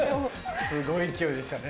すごい勢いでしたね。